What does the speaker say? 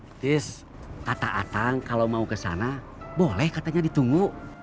atis kata atang kalau mau kesana boleh katanya ditunggu